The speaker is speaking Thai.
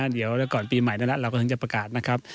เดี๋ยวก่อนปีใหม่นั้นเราก็ถึงจะประกาศนะครับ